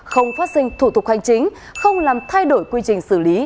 không phát sinh thủ tục hành chính không làm thay đổi quy trình xử lý